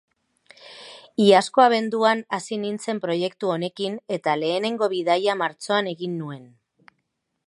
Iazko abenduan hasi nintzen proiektu honekin, eta lehenengo bidaia martxoan egin nuen.